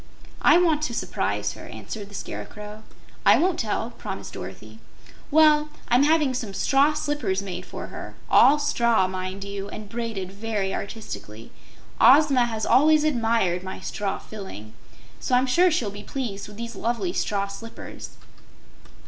"I want to surprise her," answered the Scarecrow. "I won't tell," promised Dorothy. "Well, I'm having some straw slippers made for her all straw, mind you, and braided very artistically. Ozma has always admired my straw filling, so I'm sure she'll be pleased with these lovely straw slippers."